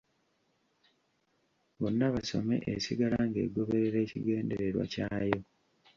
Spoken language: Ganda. Bonna Basome esigala ng'egoberera ekigendererwa kyayo.